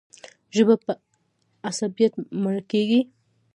ژبه په عصبیت مړه کېږي.